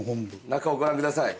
中をご覧ください。